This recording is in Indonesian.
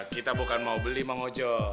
kita bukan mau beli mang ojo